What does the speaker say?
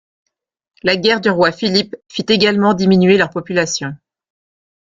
La guerre du Roi Philip, fit également diminuer leur population.